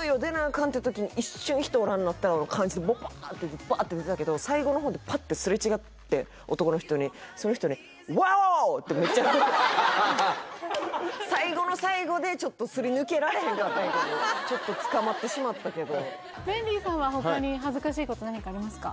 カンっていう時に一瞬人おらんなったのを感じてもうバーッてバーッて出たけど最後の方でパッて擦れ違って男の人にその人に最後の最後でちょっとすり抜けられへんかったんやけどちょっとつかまってしまったけどメンディーさんは他に恥ずかしいこと何かありますか？